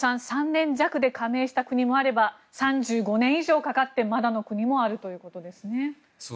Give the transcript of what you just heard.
３年弱で加盟した国もあれば３５年以上かかって、まだの国もあるということですね。